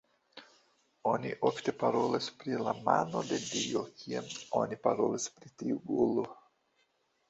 Oni ofte parolas pri "la mano de dio" kiam oni parolas pri tiu golo.